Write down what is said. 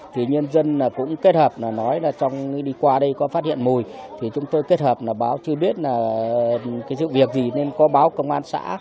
thì nhân dân cũng kết hợp là nói là đi qua đây có phát hiện mùi thì chúng tôi kết hợp là báo chưa biết là cái sự việc gì nên có báo công an xã